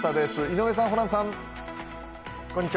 井上さん、ホランさん。